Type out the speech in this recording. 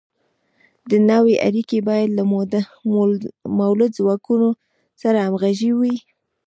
دا نوې اړیکې باید له مؤلده ځواکونو سره همغږې وي.